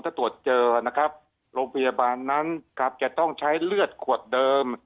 ถ้าตรวจเจอนะครับโรงพยาบาลนั้นครับจะต้องใช้เลือดขวดเดิม